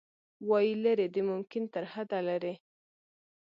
وايي، لیرې د ممکن ترحده لیرې